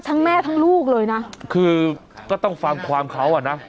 แม่ทั้งลูกเลยนะคือก็ต้องฟังความเขาอ่ะนะ